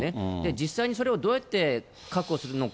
実際にそれをどうやって確保するのか。